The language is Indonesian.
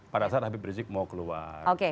pada saat habib rizik mau keluar